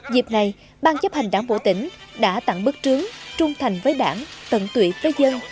dịp này ban chấp hành đảng bộ tỉnh đã tặng bức trướng trung thành với đảng tận tụy với dân